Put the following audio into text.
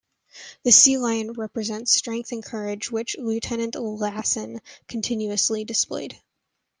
The sea lion represents strength and courage which Lieutenant Lassen continuously displayed.